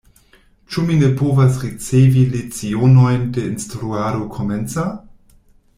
Ĉu mi ne povas ricevi lecionojn de instruado komenca?